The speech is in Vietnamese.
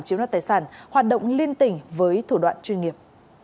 chiếm đoạt tài sản hoạt động liên tỉnh với thủ đoạn chuyên nghiệp